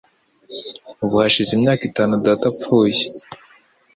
Ubu hashize imyaka itanu data apfuye.